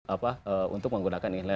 apa untuk menggunakan ini